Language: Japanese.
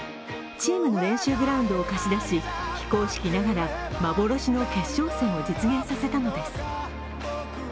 チームの練習グラウンドを貸し出し非公式ながら幻の決勝戦を実現させたのです。